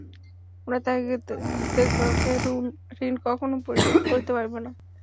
আমি তাঁহাদিগের ঋণ কখনও পরিশোধ করিতে পারিব না।